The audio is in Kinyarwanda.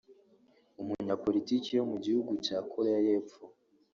umunyapolitiki wo mu gihugu cya Koreya y’Epfo